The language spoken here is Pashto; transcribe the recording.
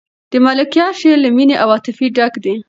د ملکیار شعر له مینې او عاطفې ډک دی.